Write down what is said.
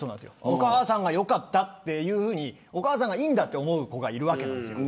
お母さんがよかったっていうふうにお母さんがいいと思う子がいるわけなんですよ。